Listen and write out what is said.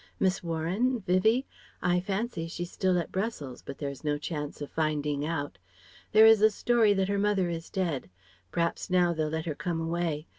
"Miss Warren? Vivie? I fancy she's still at Brussels, but there is no chance of finding out. There is a story that her mother is dead. P'raps now they'll let her come away.